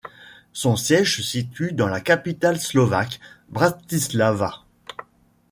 Son siège se situe dans la capitale slovaque, Bratislava.